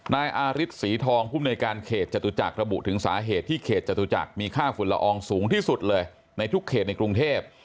นายอาริสศรีทองภูมิในการเขตจตุจักรระบุถึงสาเหตุที่เขตจตุจักรมีค่าฝุ่นละอองสูงที่สุดเลยในทุกเขตในกรุงเทพ